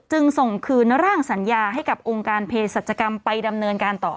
จึงส่งคืนร่างสัญญาให้กับองค์การเพศสัจกรรมไปดำเนินการต่อ